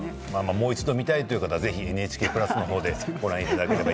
もう一度見たいという方はＮＨＫプラスでご覧いただければ。